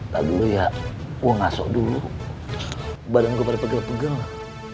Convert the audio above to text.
tadi lo ya gue ngasok dulu badan gue pada pegel pegel lah